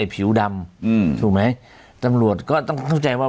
ผิวดำอืมถูกไหมตำรวจก็ต้องเข้าใจว่า